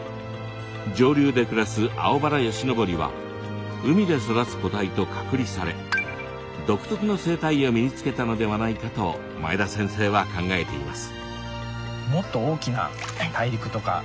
上流で暮らすアオバラヨシノボリは海で育つ個体と隔離され独特の生態を身につけたのではないかと前田先生は考えています。